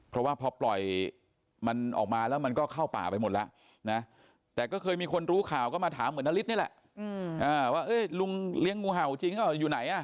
เพราะว่าพอปล่อยมันออกมาแล้วมันก็เข้าป่าไปหมดแล้วนะแต่ก็เคยมีคนรู้ข่าวก็มาถามเหมือนนฤทธินี่แหละว่าลุงเลี้ยงงูเห่าจริงหรือเปล่าอยู่ไหน